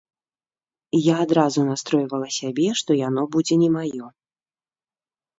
Я адразу настройвала сябе, што яно будзе не маё.